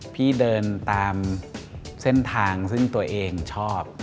พี่เดินตามเส้นทางซึ่งตัวเองชอบ